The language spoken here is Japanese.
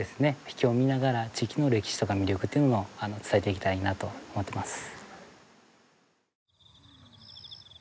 秘境を見ながら地域の歴史とか魅力というのも伝えていきたいなと思っています。